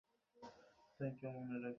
দাঁড়িয়ে থাকবে নাকি?